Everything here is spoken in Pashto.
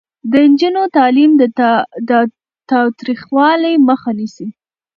د نجونو تعلیم د تاوتریخوالي مخه نیسي.